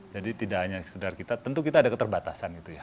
jadi tidak hanya sekedar kita tentu kita ada keterbatasan gitu ya